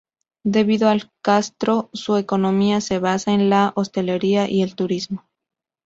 Debido al castro, su economía se basa en la hostelería y el turismo.